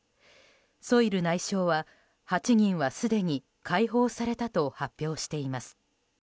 ソイル内相は８人はすでに解放されたと発表しています。